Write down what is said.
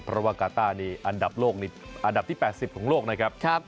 เพราะว่ากาต้าอันดับ๘๐ของโลกนะครับ